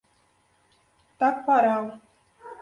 Taquaral